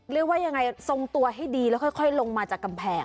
เรียกว่ายังไงทรงตัวให้ดีแล้วค่อยลงมาจากกำแพง